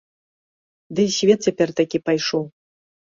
Ды і свет цяпер такі пайшоў.